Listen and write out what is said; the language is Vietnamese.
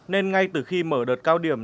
nên ngay từ khi mở đợt cao điểm